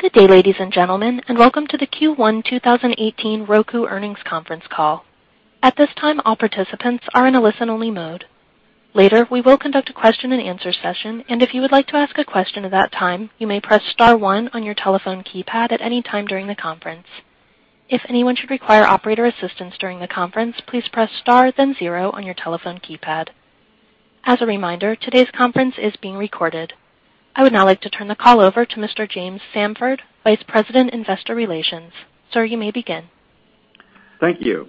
Good day, ladies and gentlemen, and welcome to the Q1 2018 Roku earnings conference call. At this time, all participants are in a listen-only mode. Later, we will conduct a question and answer session, and if you would like to ask a question at that time, you may press star one on your telephone keypad at any time during the conference. If anyone should require operator assistance during the conference, please press star then zero on your telephone keypad. As a reminder, today's conference is being recorded. I would now like to turn the call over to Mr. James Samford, Vice President, Investor Relations. Sir, you may begin. Thank you.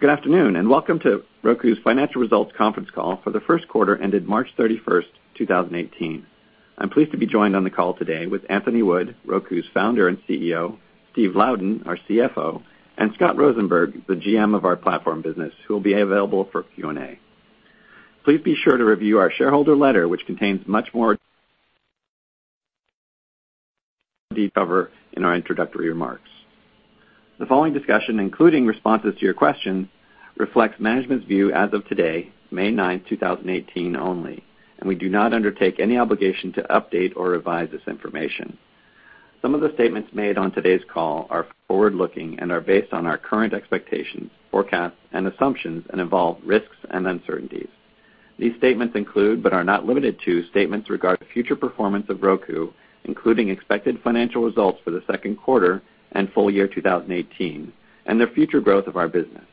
Good afternoon, and welcome to Roku's Financial Results Conference Call for the first quarter ended March 31st, 2018. I'm pleased to be joined on the call today with Anthony Wood, Roku's Founder and CEO, Steve Louden, our CFO, and Scott Rosenberg, the GM of our platform business, who will be available for Q&A. Please be sure to review our shareholder letter, which contains much more cover in our introductory remarks. The following discussion, including responses to your questions, reflects management's view as of today, May ninth, 2018 only. We do not undertake any obligation to update or revise this information. Some of the statements made on today's call are forward-looking and are based on our current expectations, forecasts, and assumptions and involve risks and uncertainties. These statements include, but are not limited to, statements regarding future performance of Roku, including expected financial results for the second quarter and full year 2018, and the future growth of our business.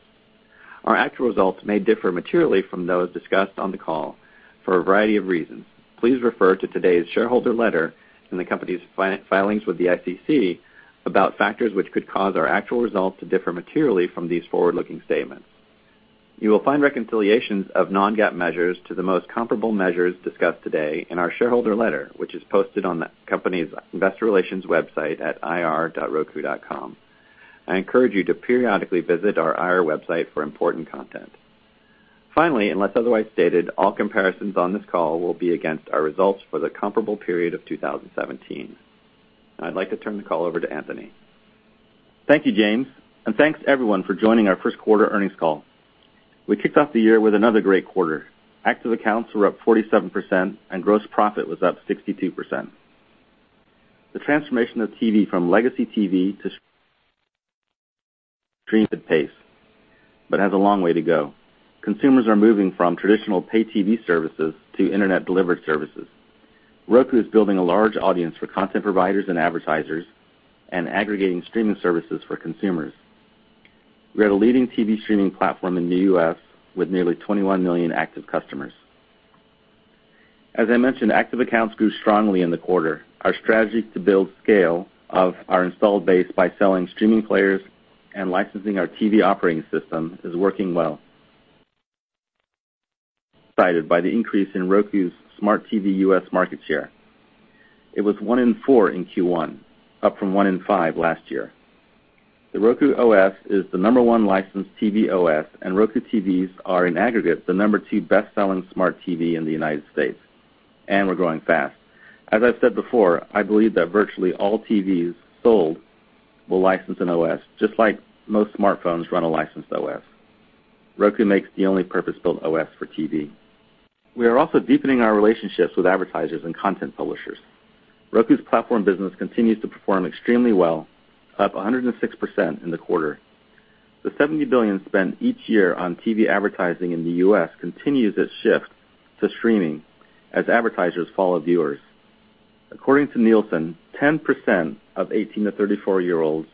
Our actual results may differ materially from those discussed on the call for a variety of reasons. Please refer to today's shareholder letter and the company's filings with the SEC about factors which could cause our actual results to differ materially from these forward-looking statements. You will find reconciliations of non-GAAP measures to the most comparable measures discussed today in our shareholder letter, which is posted on the company's investor relations website at ir.roku.com. I encourage you to periodically visit our IR website for important content. Unless otherwise stated, all comparisons on this call will be against our results for the comparable period of 2017. I'd like to turn the call over to Anthony. Thank you, James. Thanks, everyone, for joining our first quarter earnings call. We kicked off the year with another great quarter. Active accounts were up 47%, and gross profit was up 62%. The transformation of TV from legacy TV, but has a long way to go. Consumers are moving from traditional pay TV services to internet delivered services. Roku is building a large audience for content providers and advertisers and aggregating streaming services for consumers. We are the leading TV streaming platform in the U.S. with nearly 21 million active customers. As I mentioned, active accounts grew strongly in the quarter. Our strategy to build scale of our installed base by selling streaming players and licensing our TV operating system is working well. Cited by the increase in Roku's smart TV U.S. market share. It was one in four in Q1, up from one in five last year. The Roku OS is the number 1 licensed TV OS, and Roku TVs are, in aggregate, the number 2 best-selling smart TV in the U.S., and we're growing fast. As I've said before, I believe that virtually all TVs sold will license an OS, just like most smartphones run a licensed OS. Roku makes the only purpose-built OS for TV. We are also deepening our relationships with advertisers and content publishers. Roku's platform business continues to perform extremely well, up 106% in the quarter. The $70 billion spent each year on TV advertising in the U.S. continues its shift to streaming as advertisers follow viewers. According to Nielsen, 10% of 18 to 34-year-olds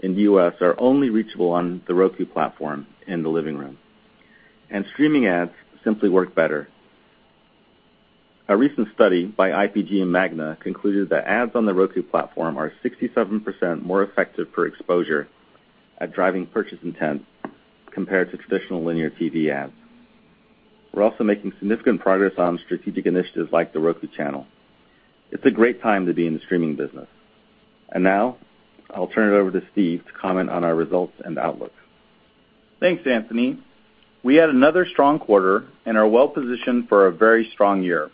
in the U.S. are only reachable on the Roku platform in the living room. Streaming ads simply work better. A recent study by IPG and Magna concluded that ads on the Roku platform are 67% more effective per exposure at driving purchase intent compared to traditional linear TV ads. We're also making significant progress on strategic initiatives like The Roku Channel. It's a great time to be in the streaming business. Now, I'll turn it over to Steve to comment on our results and outlook. Thanks, Anthony. We had another strong quarter and are well positioned for a very strong year.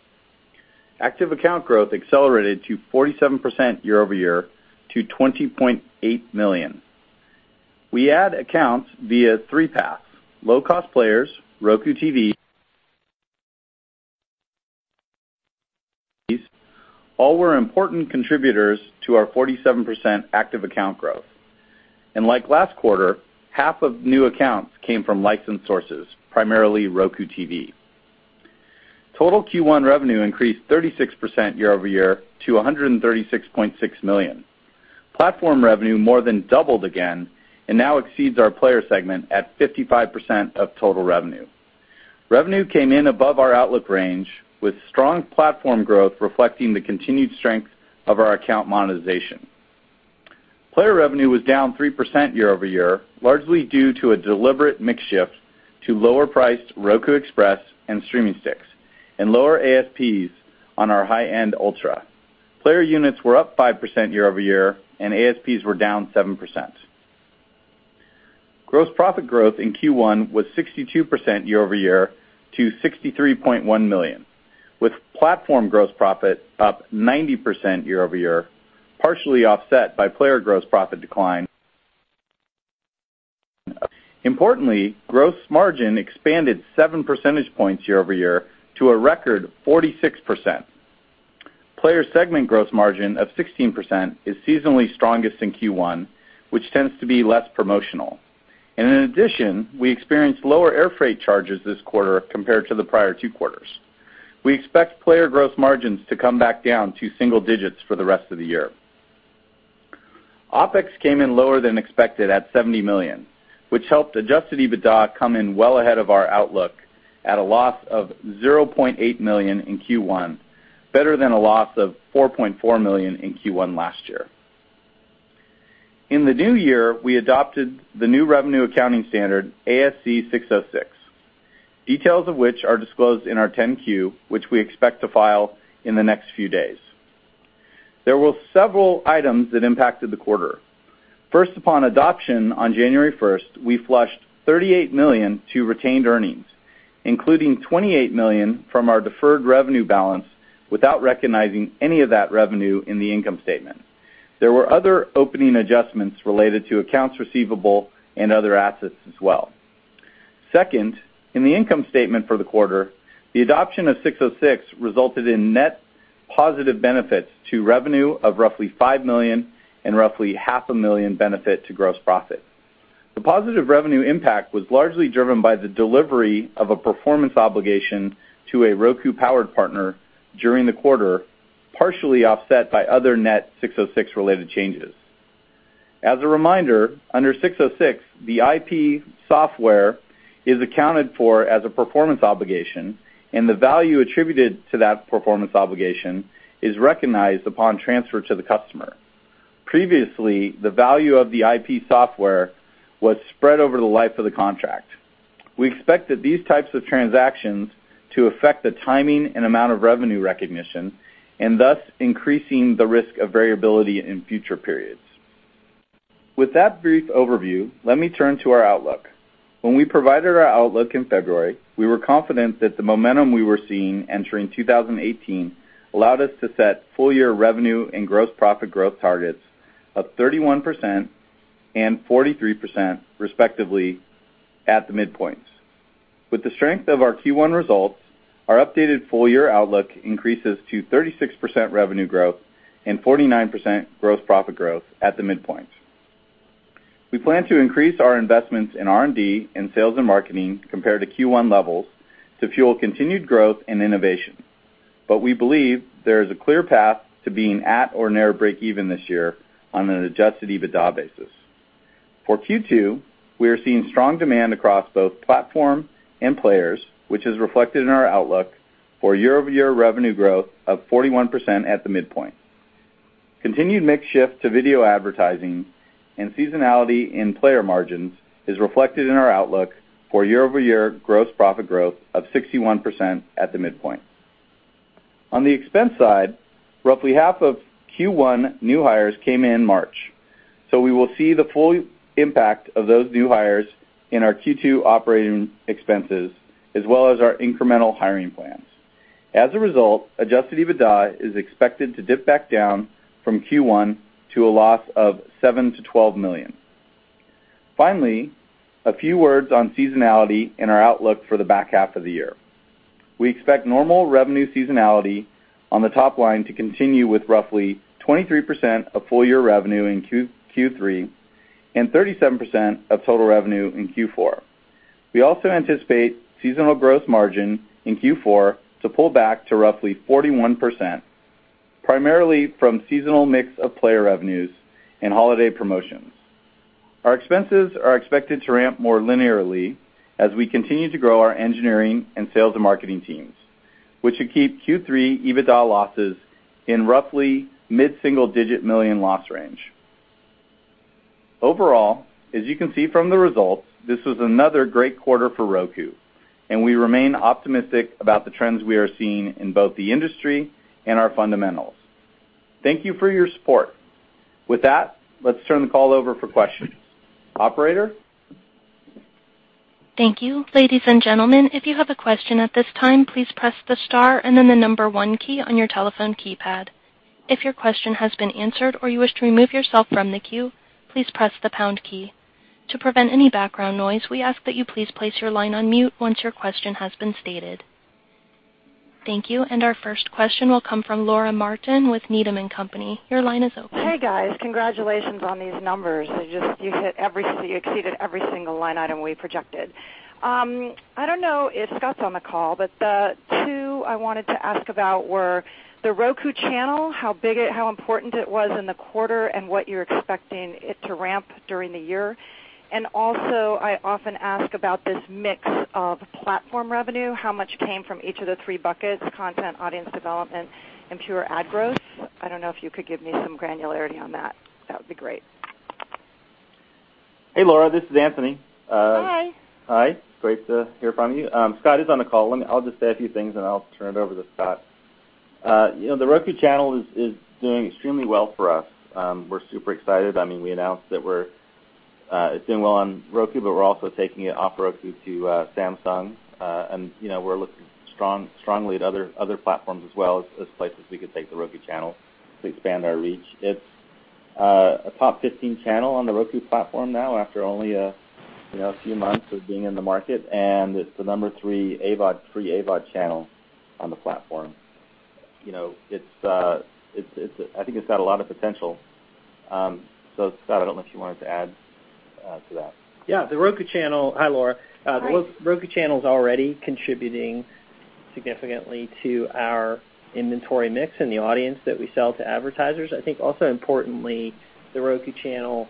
Active account growth accelerated to 47% year-over-year to 20.8 million. We add accounts via three paths: low-cost players, Roku TV. All were important contributors to our 47% active account growth. Like last quarter, half of new accounts came from licensed sources, primarily Roku TV. Total Q1 revenue increased 36% year-over-year to $136.6 million. Platform revenue more than doubled again and now exceeds our player segment at 55% of total revenue. Revenue came in above our outlook range, with strong platform growth reflecting the continued strength of our account monetization. Player revenue was down 3% year-over-year, largely due to a deliberate mix shift to lower priced Roku Express and Streaming Sticks, and lower ASPs on our high-end Ultra. Player units were up 5% year-over-year, ASPs were down 7%. Gross profit growth in Q1 was 62% year-over-year to $63.1 million, with platform gross profit up 90% year-over-year, partially offset by player gross profit decline. Importantly, gross margin expanded seven percentage points year-over-year to a record 46%. Player segment gross margin of 16% is seasonally strongest in Q1, which tends to be less promotional. In addition, we experienced lower airfreight charges this quarter compared to the prior two quarters. We expect player gross margins to come back down to single digits for the rest of the year. OpEx came in lower than expected at $70 million, which helped adjusted EBITDA come in well ahead of our outlook at a loss of $0.8 million in Q1, better than a loss of $4.4 million in Q1 last year. In the new year, we adopted the new revenue accounting standard, ASC 606, details of which are disclosed in our 10-Q, which we expect to file in the next few days. There were several items that impacted the quarter. First, upon adoption on January 1st, we flushed $38 million to retained earnings, including $28 million from our deferred revenue balance without recognizing any of that revenue in the income statement. There were other opening adjustments related to accounts receivable and other assets as well. Second, in the income statement for the quarter, the adoption of 606 resulted in net positive benefits to revenue of roughly $5 million and roughly half a million benefit to gross profit. The positive revenue impact was largely driven by the delivery of a performance obligation to a Roku Powered partner during the quarter, partially offset by other net 606 related changes. As a reminder, under 606, the IP software is accounted for as a performance obligation, and the value attributed to that performance obligation is recognized upon transfer to the customer. Previously, the value of the IP software was spread over the life of the contract. We expect that these types of transactions to affect the timing and amount of revenue recognition, thus increasing the risk of variability in future periods. With that brief overview, let me turn to our outlook. When we provided our outlook in February, we were confident that the momentum we were seeing entering 2018 allowed us to set full year revenue and gross profit growth targets of 31% and 43% respectively at the midpoints. With the strength of our Q1 results, our updated full year outlook increases to 36% revenue growth and 49% gross profit growth at the midpoint. We plan to increase our investments in R&D and sales and marketing compared to Q1 levels to fuel continued growth and innovation. We believe there is a clear path to being at or near breakeven this year on an adjusted EBITDA basis. For Q2, we are seeing strong demand across both Platform and Players, which is reflected in our outlook for year-over-year revenue growth of 41% at the midpoint. Continued mix shift to video advertising and seasonality in Player margins is reflected in our outlook for year-over-year gross profit growth of 61% at the midpoint. On the expense side, roughly half of Q1 new hires came in March, we will see the full impact of those new hires in our Q2 operating expenses, as well as our incremental hiring plans. As a result, adjusted EBITDA is expected to dip back down from Q1 to a loss of $7 million-$12 million. Finally, a few words on seasonality and our outlook for the back half of the year. We expect normal revenue seasonality on the top line to continue with roughly 23% of full year revenue in Q3 and 37% of total revenue in Q4. We also anticipate seasonal gross margin in Q4 to pull back to roughly 41%, primarily from seasonal mix of Player revenues and holiday promotions. Our expenses are expected to ramp more linearly as we continue to grow our engineering and sales and marketing teams, which should keep Q3 EBITDA losses in roughly mid-single digit million loss range. Overall, as you can see from the results, this was another great quarter for Roku, and we remain optimistic about the trends we are seeing in both the industry and our fundamentals. Thank you for your support. With that, let's turn the call over for questions. Operator? Thank you. Ladies and gentlemen, if you have a question at this time, please press the star and then the 1 key on your telephone keypad. If your question has been answered or you wish to remove yourself from the queue, please press the pound key. To prevent any background noise, we ask that you please place your line on mute once your question has been stated. Thank you. Our first question will come from Laura Martin with Needham & Company. Your line is open. Hey, guys. Congratulations on these numbers. You exceeded every single line item we projected. I don't know if Scott's on the call, but the two I wanted to ask about were The Roku Channel, how important it was in the quarter, and what you're expecting it to ramp during the year. Also, I often ask about this mix of platform revenue, how much came from each of the three buckets, content, audience development, and pure ad growth. I don't know if you could give me some granularity on that. That would be great. Hey, Laura. This is Anthony. Hi. Hi. Great to hear from you. Scott is on the call. I'll just say a few things, and I'll turn it over to Scott. The Roku Channel is doing extremely well for us. We're super excited. We announced that it's doing well on Roku, but we're also taking it off Roku to Samsung. We're looking strongly at other platforms as well as places we could take The Roku Channel to expand our reach. It's A top 15 channel on The Roku platform now after only a few months of being in the market, and it's the number three AVOD channel on the platform. I think it's got a lot of potential. Scott, I don't know if you wanted to add to that. Yeah. Hi, Laura. Hi. The Roku Channel's already contributing significantly to our inventory mix and the audience that we sell to advertisers. I think also importantly, The Roku Channel,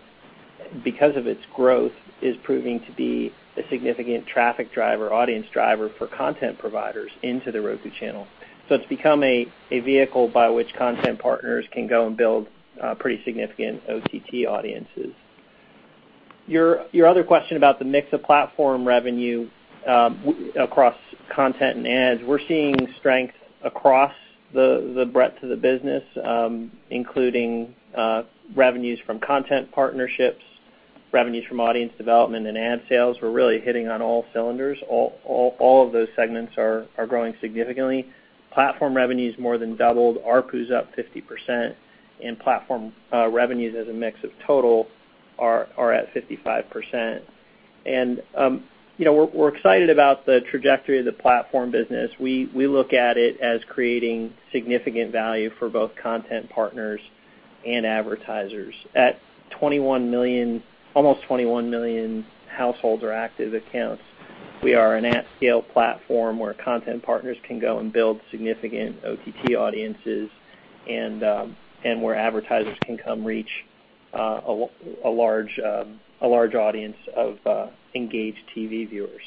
because of its growth, is proving to be a significant traffic driver, audience driver for content providers into The Roku Channel. It's become a vehicle by which content partners can go and build pretty significant OTT audiences. Your other question about the mix of platform revenue across content and ads, we're seeing strength across the breadth of the business, including revenues from content partnerships, revenues from audience development and ad sales. We're really hitting on all cylinders. All of those segments are growing significantly. Platform revenue's more than doubled. ARPU's up 50%, and platform revenues as a mix of total are at 55%. We're excited about the trajectory of the platform business. We look at it as creating significant value for both content partners and advertisers. At almost 21 million households or active accounts, we are an at-scale platform where content partners can go and build significant OTT audiences and where advertisers can come reach a large audience of engaged TV viewers.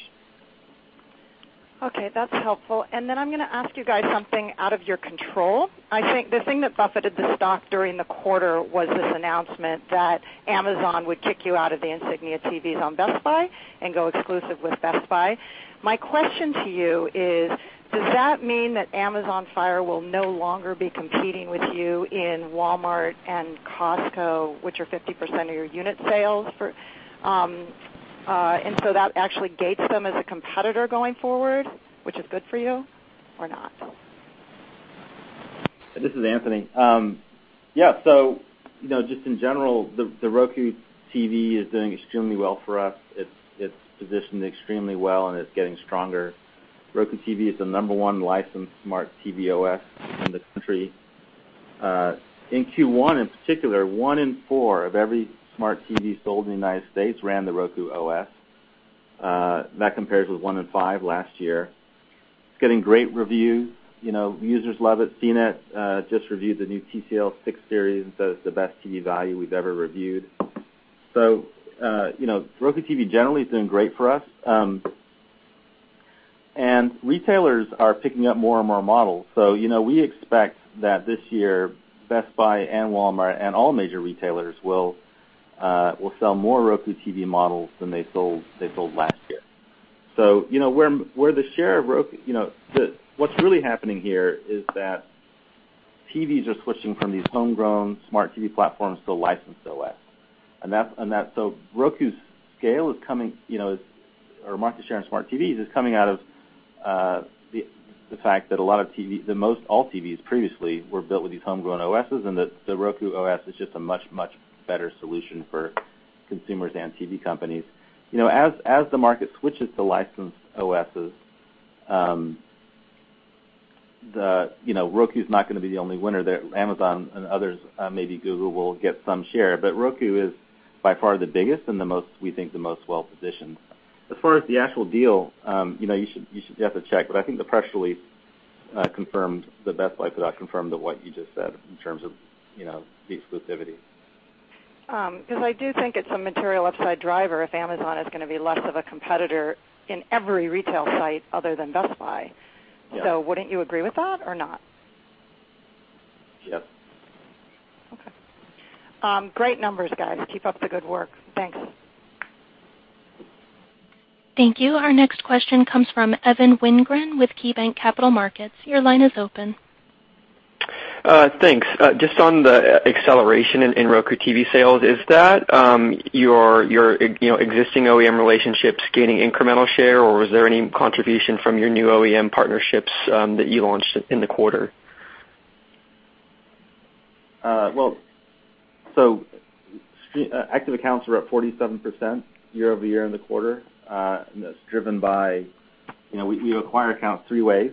Okay. That's helpful. I'm going to ask you guys something out of your control. I think the thing that buffeted the stock during the quarter was this announcement that Amazon would kick you out of the Insignia TVs on Best Buy and go exclusive with Best Buy. My question to you is, does that mean that Amazon Fire will no longer be competing with you in Walmart and Costco, which are 50% of your unit sales? That actually gates them as a competitor going forward, which is good for you or not? This is Anthony. Yeah. Just in general, The Roku TV is doing extremely well for us. It's positioned extremely well, and it's getting stronger. Roku TV is the number one licensed smart TV OS in the country. In Q1 in particular, one in four of every smart TV sold in the U.S. ran the Roku OS. That compares with one in five last year. It's getting great reviews. Users love it. CNET just reviewed the new TCL 6-Series and says it's the best TV value we've ever reviewed. Roku TV generally is doing great for us. Retailers are picking up more and more models. We expect that this year Best Buy and Walmart and all major retailers will sell more Roku TV models than they sold last year. What's really happening here is that TVs are switching from these homegrown smart TV platforms to a licensed OS. Roku's market share in smart TVs is coming out of the fact that all TVs previously were built with these homegrown OSs, and the Roku OS is just a much, much better solution for consumers and TV companies. As the market switches to licensed OSs, Roku's not going to be the only winner. Amazon and others, maybe Google, will get some share. Roku is by far the biggest and we think the most well-positioned. As far as the actual deal, you should definitely check, but I think the press release confirmed, the Best Buy press release confirmed what you just said in terms of the exclusivity. I do think it's a material upside driver if Amazon is going to be less of a competitor in every retail site other than Best Buy. Yeah. Wouldn't you agree with that or not? Yep. Okay. Great numbers, guys. Keep up the good work. Thanks. Thank you. Our next question comes from Evan Wingren with KeyBanc Capital Markets. Your line is open. Thanks. Just on the acceleration in Roku TV sales, is that your existing OEM relationships gaining incremental share, or was there any contribution from your new OEM partnerships that you launched in the quarter? Well, active accounts are up 47% year-over-year in the quarter, and that's driven by. We acquire accounts three ways.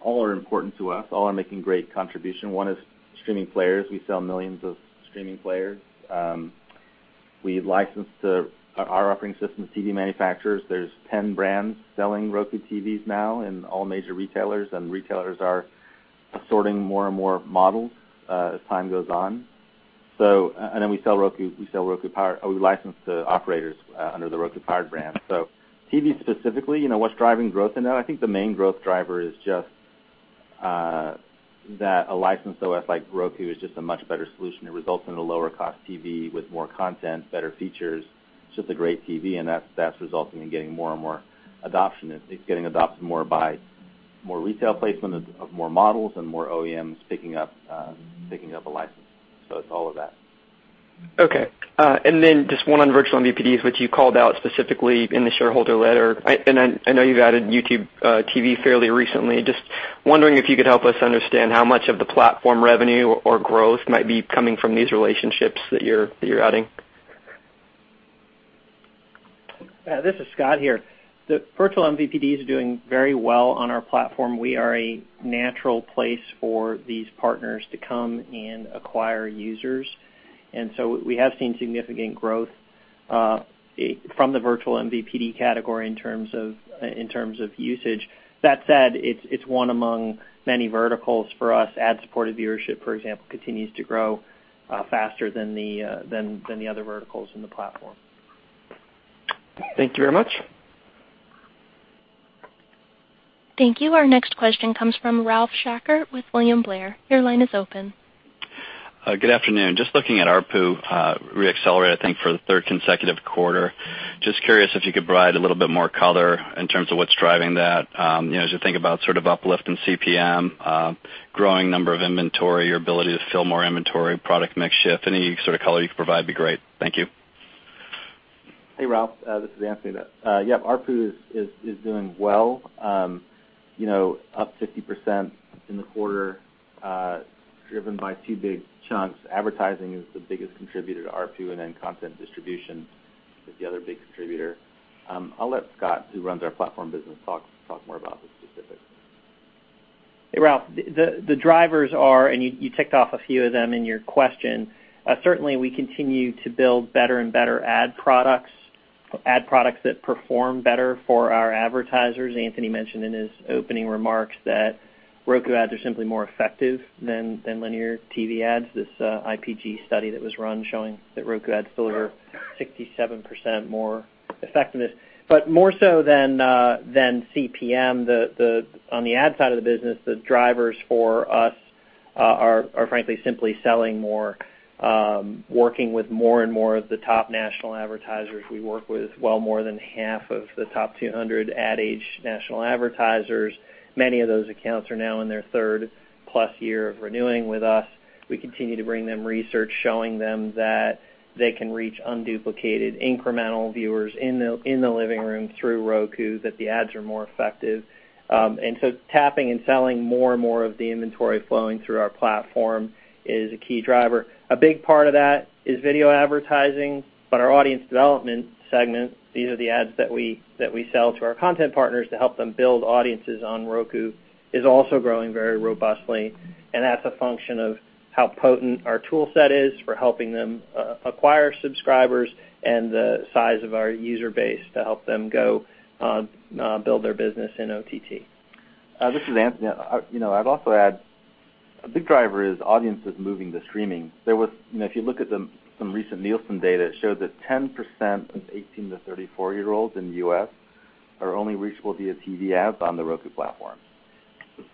All are important to us. All are making great contribution. One is streaming players. We sell millions of streaming players. We license our operating system to TV manufacturers. There's 10 brands selling Roku TVs now in all major retailers, and retailers are assorting more and more models as time goes on. We license to operators under the Roku Powered brand. TV specifically, what's driving growth in that, I think the main growth driver is just that a licensed OS like Roku is just a much better solution. It results in a lower cost TV with more content, better features, just a great TV, and that's resulting in getting more and more adoption. It's getting adopted more by more retail placement of more models and more OEMs picking up a license. It's all of that. Okay. Just one on virtual MVPDs, which you called out specifically in the shareholder letter. I know you've added YouTube TV fairly recently. Just wondering if you could help us understand how much of the platform revenue or growth might be coming from these relationships that you're adding. This is Scott here. The virtual MVPD is doing very well on our platform. We are a natural place for these partners to come and acquire users. We have seen significant growth from the virtual MVPD category in terms of usage. That said, it's one among many verticals for us. Ad-supported viewership, for example, continues to grow faster than the other verticals in the platform. Thank you very much. Thank you. Our next question comes from Ralph Schackart with William Blair. Your line is open. Good afternoon. Just looking at ARPU re-accelerate, I think, for the third consecutive quarter. Just curious if you could provide a little bit more color in terms of what's driving that. As you think about sort of uplift in CPM, growing number of inventory, your ability to fill more inventory, product mix shift, any sort of color you could provide would be great. Thank you. Hey, Ralph. This is Anthony. Yep, ARPU is doing well. Up 50% in the quarter, driven by two big chunks. Advertising is the biggest contributor to ARPU, and then content distribution is the other big contributor. I'll let Scott, who runs our platform business, talk more about the specifics. Hey, Ralph. The drivers are, and you ticked off a few of them in your question. Certainly, we continue to build better and better ad products, ad products that perform better for our advertisers. Anthony mentioned in his opening remarks that Roku ads are simply more effective than linear TV ads. This IPG study that was run showing that Roku ads deliver 67% more effectiveness. More so than CPM, on the ad side of the business, the drivers for us are frankly simply selling more, working with more and more of the top national advertisers we work with. Well more than half of the top 200 Ad Age national advertisers. Many of those accounts are now in their third-plus year of renewing with us. We continue to bring them research, showing them that they can reach unduplicated, incremental viewers in the living room through Roku, that the ads are more effective. Tapping and selling more and more of the inventory flowing through our platform is a key driver. A big part of that is video advertising, but our audience development segment, these are the ads that we sell to our content partners to help them build audiences on Roku, is also growing very robustly, and that's a function of how potent our toolset is for helping them acquire subscribers and the size of our user base to help them go build their business in OTT. This is Anthony. I'd also add, a big driver is audiences moving to streaming. If you look at some recent Nielsen data, it shows that 10% of 18 to 34-year-olds in the U.S. are only reachable via TV ads on the Roku platform.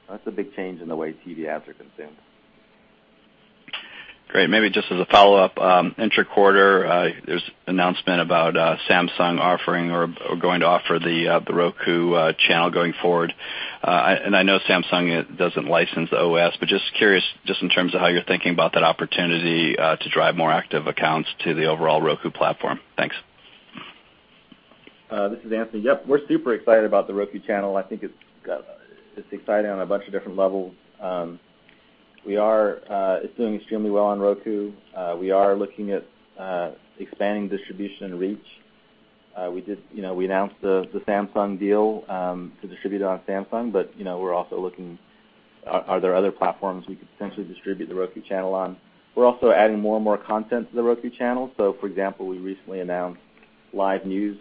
That's a big change in the way TV ads are consumed. Great. Maybe just as a follow-up, intra-quarter, there's announcement about Samsung offering or going to offer The Roku Channel going forward. I know Samsung doesn't license the OS, but just curious, just in terms of how you're thinking about that opportunity to drive more active accounts to the overall Roku platform. Thanks. This is Anthony. Yep. We're super excited about The Roku Channel. I think it's exciting on a bunch of different levels. It's doing extremely well on Roku. We are looking at expanding distribution and reach. We announced the Samsung deal to distribute it on Samsung, we're also looking, are there other platforms we could potentially distribute The Roku Channel on? We're also adding more and more content to The Roku Channel. For example, we recently announced live news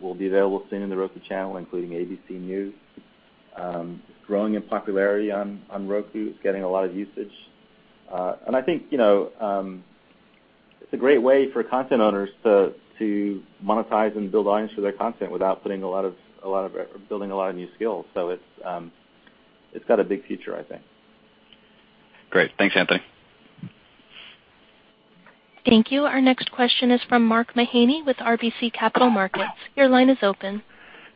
will be available soon in The Roku Channel, including ABC News. It's growing in popularity on Roku. It's getting a lot of usage. I think it's a great way for content owners to monetize and build audience for their content without building a lot of new skills. It's got a big future, I think. Great. Thanks, Anthony. Thank you. Our next question is from Mark Mahaney with RBC Capital Markets. Your line is open.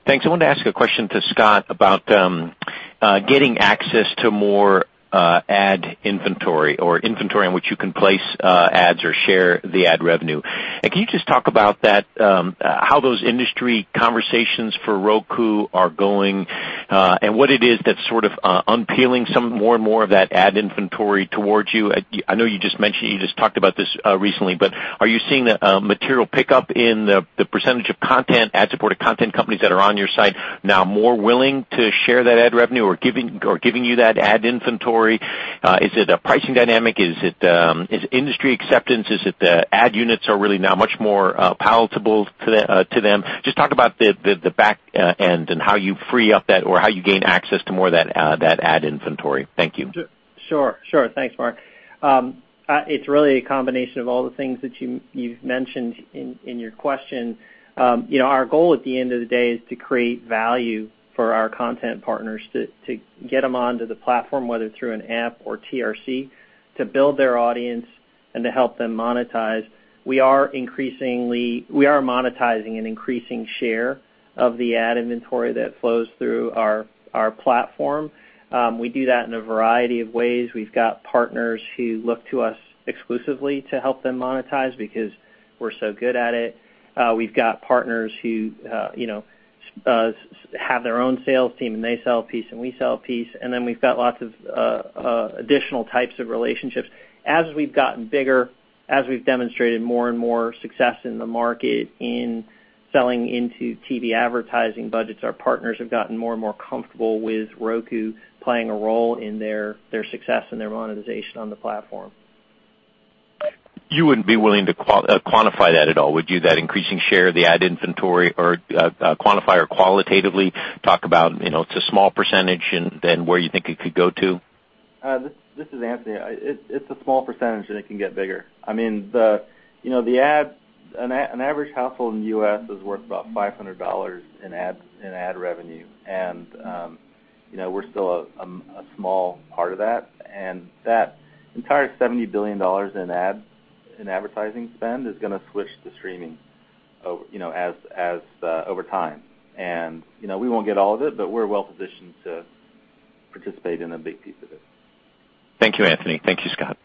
Thanks. I wanted to ask a question to Scott about getting access to more ad inventory or inventory in which you can place ads or share the ad revenue. Can you just talk about that, how those industry conversations for Roku are going, and what it is that's sort of unpeeling some more and more of that ad inventory towards you? I know you just talked about this recently, but are you seeing a material pickup in the percentage of ad-supported content companies that are on your site now more willing to share that ad revenue or giving you that ad inventory? Is it a pricing dynamic? Is it industry acceptance? Is it the ad units are really now much more palatable to them? Just talk about the back end and how you free up that or how you gain access to more of that ad inventory. Thank you. Sure. Thanks, Mark. It's really a combination of all the things that you've mentioned in your question. Our goal at the end of the day is to create value for our content partners, to get them onto the platform, whether through an app or TRC, to build their audience and to help them monetize. We are monetizing an increasing share of the ad inventory that flows through our platform. We do that in a variety of ways. We've got partners who look to us exclusively to help them monetize because we're so good at it. We've got partners who ave their own sales team, and they sell a piece and we sell a piece. Then we've got lots of additional types of relationships. As we've gotten bigger, as we've demonstrated more and more success in the market in selling into TV advertising budgets, our partners have gotten more and more comfortable with Roku playing a role in their success and their monetization on the platform. You wouldn't be willing to quantify that at all, would you? That increasing share of the ad inventory or, quantify or qualitatively talk about, it's a small percentage and then where you think it could go to? This is Anthony. It's a small percentage, and it can get bigger. An average household in the U.S. is worth about $500 in ad revenue. We're still a small part of that. That entire $70 billion in advertising spend is going to switch to streaming over time. We won't get all of it, but we're well-positioned to participate in a big piece of it. Thank you, Anthony. Thank you, Scott.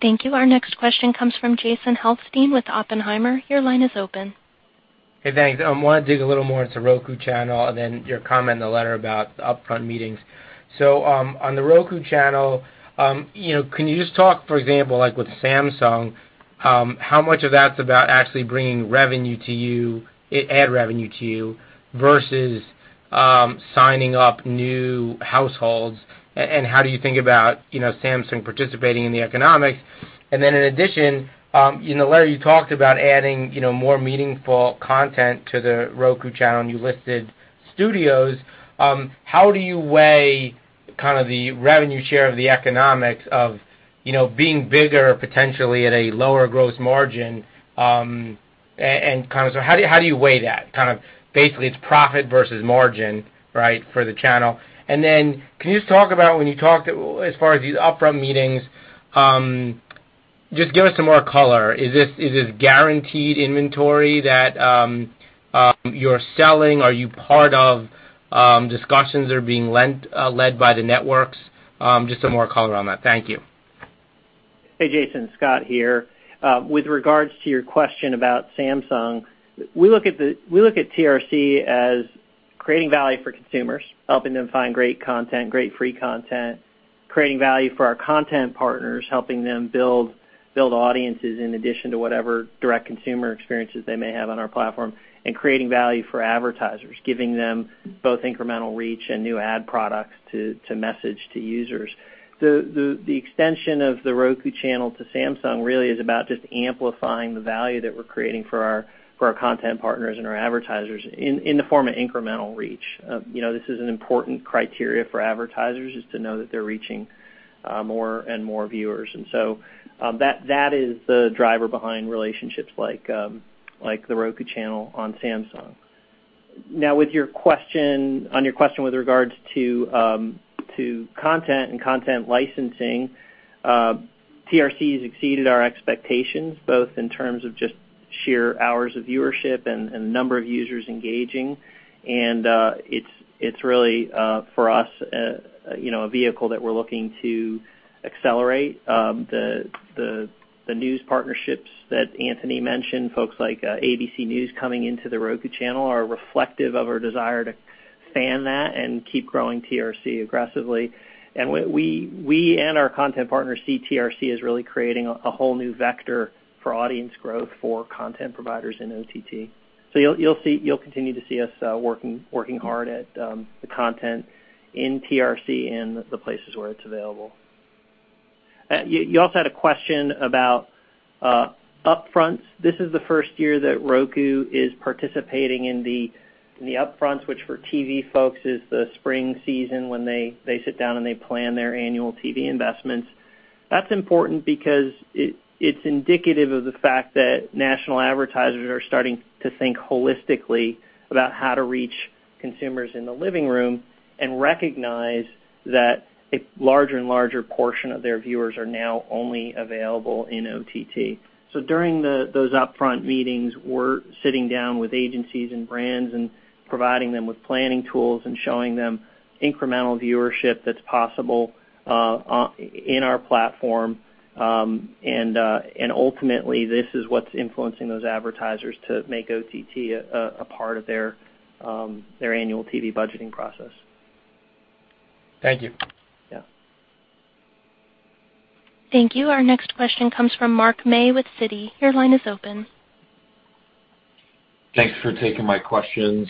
Thank you. Our next question comes from Jason Helfstein with Oppenheimer. Your line is open. Hey, thanks. I want to dig a little more into The Roku Channel and then your comment in the letter about upfront meetings. On The Roku Channel, can you just talk, for example, like with Samsung, how much of that's about actually bringing ad revenue to you versus signing up new households? How do you think about Samsung participating in the economics? In addition, in the letter you talked about adding more meaningful content to The Roku Channel, and you listed studios. How do you weigh the revenue share of the economics of being bigger potentially at a lower gross margin? How do you weigh that? Basically, it's profit versus margin for the channel. Then can you just talk about when you talked, as far as these upfront meetings, just give us some more color. Is this guaranteed inventory that you're selling? Are you part of discussions that are being led by the networks? Just some more color on that. Thank you. Hey, Jason, Scott here. With regards to your question about Samsung, we look at TRC as creating value for consumers, helping them find great content, great free content. Creating value for our content partners, helping them build audiences in addition to whatever direct consumer experiences they may have on our platform. Creating value for advertisers, giving them both incremental reach and new ad products to message to users. The extension of The Roku Channel to Samsung really is about just amplifying the value that we're creating for our content partners and our advertisers in the form of incremental reach. This is an important criteria for advertisers, is to know that they're reaching more and more viewers. That is the driver behind relationships like The Roku Channel on Samsung. On your question with regards to content and content licensing, TRC has exceeded our expectations, both in terms of just sheer hours of viewership and the number of users engaging. It's really, for us, a vehicle that we're looking to accelerate. The news partnerships that Anthony mentioned, folks like ABC News coming into The Roku Channel, are reflective of our desire to fan that and keep growing TRC aggressively. We and our content partners see TRC as really creating a whole new vector for audience growth for content providers in OTT. You'll continue to see us working hard at the content in TRC and the places where it's available. You also had a question about upfronts. This is the first year that Roku is participating in the upfronts, which for TV folks is the spring season when they sit down and they plan their annual TV investments. That's important because it's indicative of the fact that national advertisers are starting to think holistically about how to reach consumers in the living room and recognize that a larger and larger portion of their viewers are now only available in OTT. During those upfront meetings, we're sitting down with agencies and brands and providing them with planning tools and showing them incremental viewership that's possible in our platform. Ultimately, this is what's influencing those advertisers to make OTT a part of their annual TV budgeting process. Thank you. Yeah. Thank you. Our next question comes from Mark May with Citi. Your line is open. Thanks for taking my questions.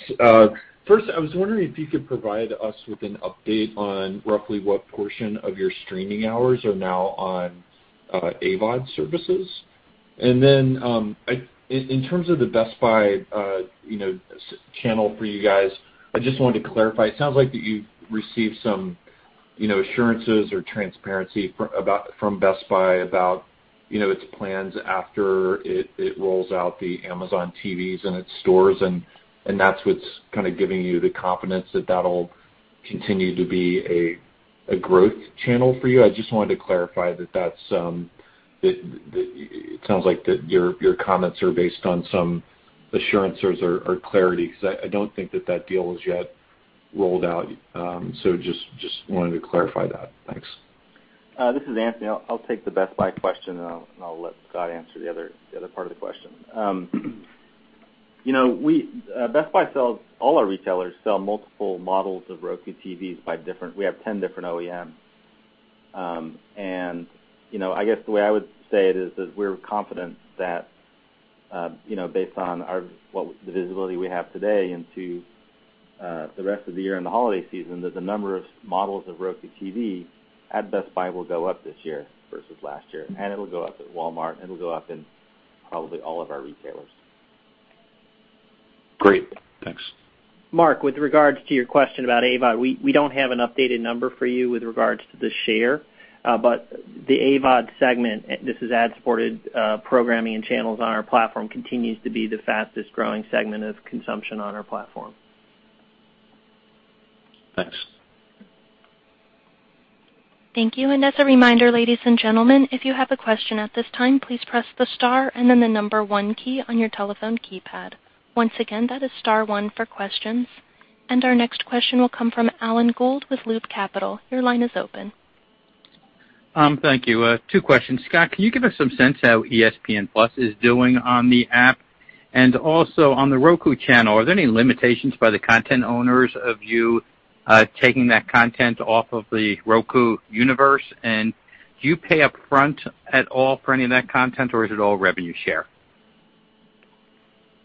First, I was wondering if you could provide us with an update on roughly what portion of your streaming hours are now on AVOD services. Then in terms of the Best Buy channel for you guys, I just wanted to clarify. It sounds like that you've received some assurances or transparency from Best Buy about its plans after it rolls out the Amazon TVs in its stores, and that's what's kind of giving you the confidence that that'll continue to be a growth channel for you. I just wanted to clarify that it sounds like that your comments are based on some assurances or clarity, because I don't think that deal has yet rolled out. Just wanted to clarify that. Thanks. This is Anthony. I'll take the Best Buy question, and I'll let Scott answer the other part of the question. Best Buy sells, all our retailers sell multiple models of Roku TVs by different We have 10 different OEMs. I guess the way I would say it is that we're confident that based on the visibility we have today into the rest of the year and the holiday season, that the number of models of Roku TVs at Best Buy will go up this year versus last year, and it'll go up at Walmart, and it'll go up in probably all of our retailers. Great. Thanks. Mark, with regards to your question about AVOD, we don't have an updated number for you with regards to the share. The AVOD segment, this is ad-supported programming and channels on our platform, continues to be the fastest-growing segment of consumption on our platform. Thanks. Thank you. As a reminder, ladies and gentlemen, if you have a question at this time, please press the star and then the number 1 key on your telephone keypad. Once again, that is star 1 for questions. Our next question will come from Alan Gould with Loop Capital. Your line is open. Thank you. Two questions. Scott, can you give us some sense how ESPN+ is doing on the app? Also, on The Roku Channel, are there any limitations by the content owners of you taking that content off of the Roku universe? Do you pay up front at all for any of that content, or is it all revenue share?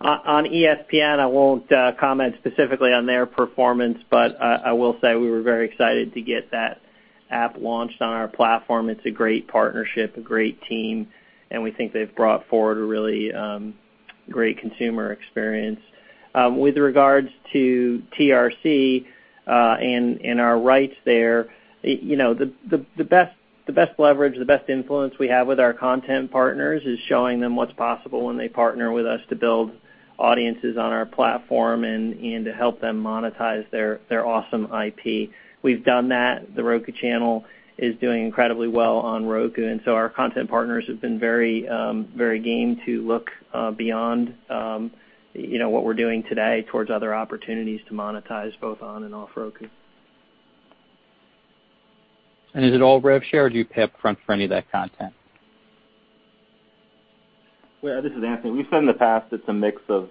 On ESPN, I won't comment specifically on their performance, but I will say we were very excited to get that app launched on our platform. It's a great partnership, a great team, and we think they've brought forward a really great consumer experience. With regards to TRC and our rights there, the best leverage, the best influence we have with our content partners is showing them what's possible when they partner with us to build audiences on our platform and to help them monetize their awesome IP. We've done that. The Roku Channel is doing incredibly well on Roku, so our content partners have been very game to look beyond what we're doing today towards other opportunities to monetize both on and off Roku. Is it all rev share or do you pay up front for any of that content? Well, this is Anthony. We've said in the past, it's a mix of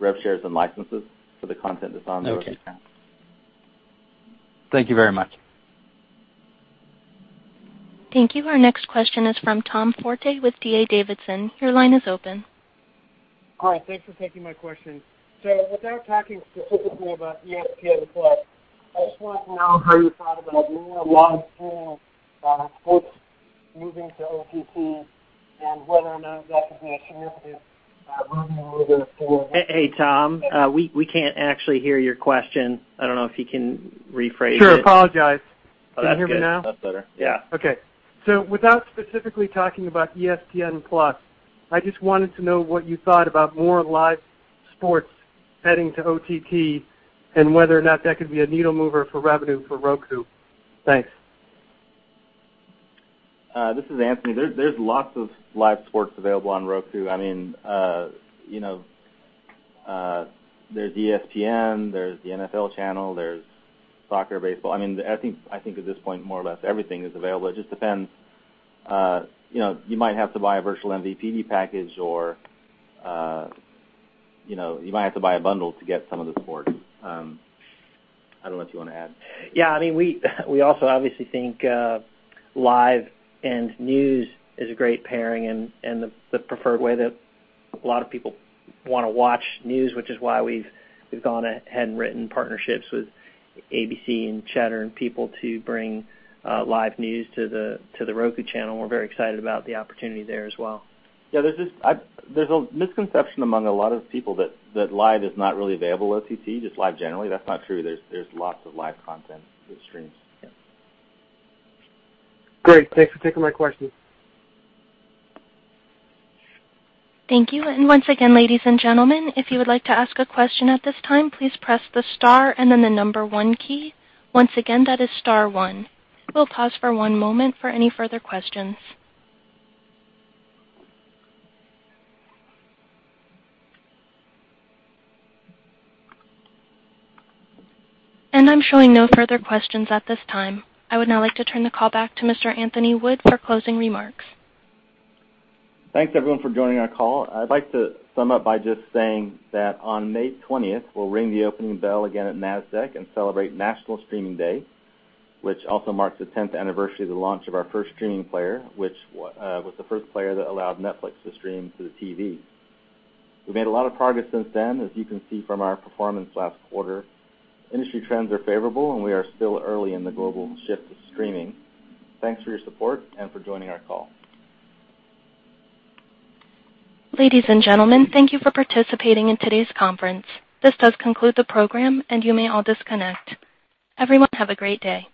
rev shares and licenses for the content that's. Okay The Roku Channel. Thank you very much. Thank you. Our next question is from Tom Forte with D.A. Davidson. Your line is open. All right. Thanks for taking my question. Without talking specifically about ESPN+, I just wanted to know how you thought about more live sports moving to OTT and whether or not that could be a significant revenue mover. Hey, Tom. We can't actually hear your question. I don't know if you can rephrase it. Sure. Apologize. Oh, that's good. Can you hear me now? That's better. Yeah. Okay. Without specifically talking about ESPN+, I just wanted to know what you thought about more live sports heading to OTT and whether or not that could be a needle mover for revenue for Roku. Thanks. This is Anthony. There's lots of live sports available on Roku. There's ESPN, there's the NFL Channel, there's soccer, baseball. I think at this point, more or less, everything is available. You might have to buy a virtual MVPD package or you might have to buy a bundle to get some of the sports. I don't know what you want to add. Yeah. We also obviously think live and news is a great pairing and the preferred way that a lot of people want to watch news, which is why we've gone ahead and written partnerships with ABC and Cheddar and People to bring live news to The Roku Channel, and we're very excited about the opportunity there as well. Yeah. There's a misconception among a lot of people that live is not really available on OTT, just live generally. That's not true. There's lots of live content with streams. Great. Thanks for taking my question. Thank you. Once again, ladies and gentlemen, if you would like to ask a question at this time, please press the star and then the number one key. Once again, that is star one. We'll pause for one moment for any further questions. I'm showing no further questions at this time. I would now like to turn the call back to Mr. Anthony Wood for closing remarks. Thanks, everyone, for joining our call. I'd like to sum up by just saying that on May 20th, we'll ring the opening bell again at Nasdaq and celebrate National Streaming Day, which also marks the 10th anniversary of the launch of our first streaming player, which was the first player that allowed Netflix to stream to the TV. We've made a lot of progress since then, as you can see from our performance last quarter. Industry trends are favorable, we are still early in the global shift to streaming. Thanks for your support and for joining our call. Ladies and gentlemen, thank you for participating in today's conference. This does conclude the program, and you may all disconnect. Everyone, have a great day.